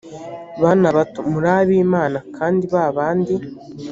bana bato muri ab imana kandi ba bandi